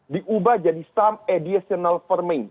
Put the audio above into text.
diubah jadi some additional firming